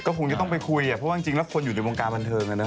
คงจะต้องไปคุยเพราะว่าจริงแล้วคนอยู่ในวงการบันเทิง